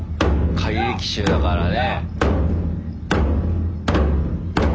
怪力衆だからね。